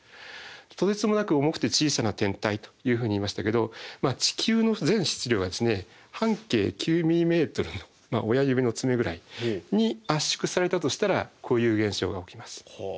とてつもなく重くて小さな天体というふうに言いましたけど地球の全質量が半径９ｍｍのまあ親指の爪ぐらいに圧縮されたとしたらこういう現象が起きます。